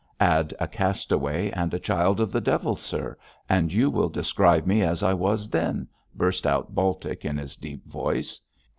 'Add a castaway and a child of the devil, sir, and you will describe me as I was then,' burst out Baltic, in his deep voice.